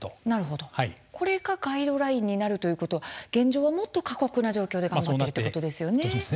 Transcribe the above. これがガイドラインになるということは現状はもっと過酷な状況ということですね。